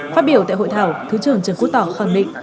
phát biểu tại hội thảo thứ trưởng trần quốc tỏ khẳng định